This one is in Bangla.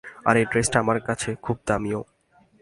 আর এই ড্রেসটা আমার কাছে খুব দামিও।